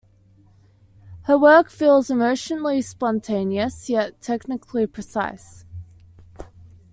Her work feels emotionally spontaneous yet technically precise.